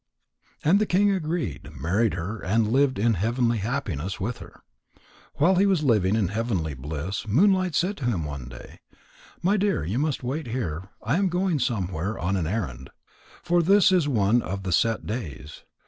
And the king agreed, married her, and lived in heavenly happiness with her. While he was living in heavenly bliss, Moonlight said to him one day: "My dear, you must wait here. I am going somewhere on an errand. For this is one of the set days.